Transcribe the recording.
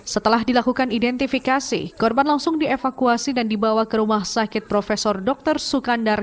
setelah dilakukan identifikasi korban langsung dievakuasi dan dibawa ke rumah sakit prof dr sukandar